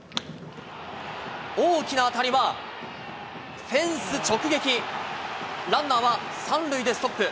大きな当たりは、フェンス直撃、ランナーは３塁でストップ。